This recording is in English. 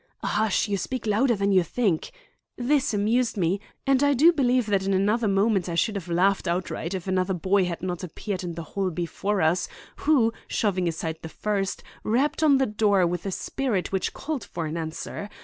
'Hush! you speak louder than you think' This amused me, and I do believe that in another moment I should have laughed outright if another boy had not appeared in the hall before us, who, shoving aside the first, rapped on the door with a spirit which called for answer.